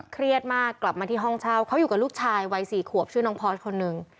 เครียดมากกลับมาที่ห้องเช่าเขาอยู่กับลูกชายวัย๔ขวบชื่อน้องพอร์สคนหนึ่ง